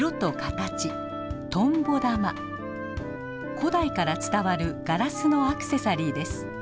古代から伝わるガラスのアクセサリーです。